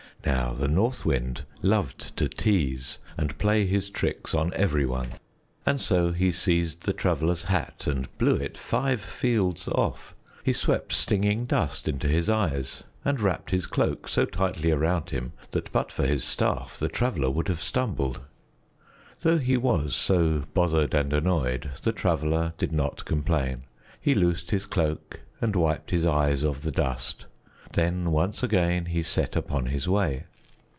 Now the North Wind loved to tease and play his tricks on every one, and so he seized the Traveler's hat and blew it five fields off; he swept stinging dust into his eyes and wrapped his cloak so tightly around him that but for his staff the Traveler would have stumbled. Though he was so bothered and annoyed, the Traveler did not complain. He loosed his cloak and wiped his eyes of the dust, then once again he set upon his way.